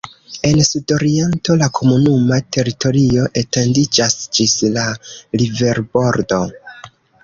En sudoriento la komunuma teritorio etendiĝas ĝis la riverbordo.